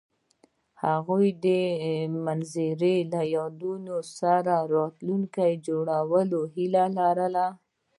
هغوی د منظر له یادونو سره راتلونکی جوړولو هیله لرله.